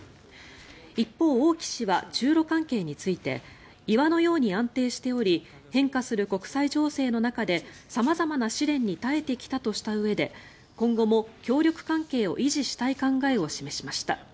一方、王毅氏は中ロ関係について岩のように安定しており変化する国際情勢の中で様々な試練に耐えてきたとしたうえで今後も協力関係を維持したい考えを示しました。